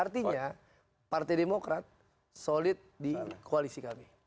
artinya partai demokrat solid di koalisi kami